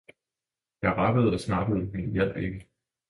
jeg rappede og snappede, men det hjalp ikke!